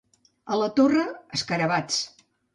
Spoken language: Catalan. A la Torre, escarabats.